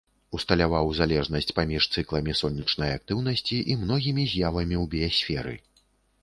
Усталяваў залежнасць паміж цыкламі сонечнай актыўнасці і многімі з'явамі ў біясферы.